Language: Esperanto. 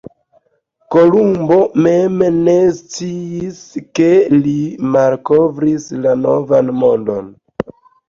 Kolumbo mem ne sciis ke li malkovris la Novan Mondon.